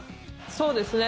そうですね。